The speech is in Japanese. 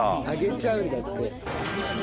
揚げちゃうんだって。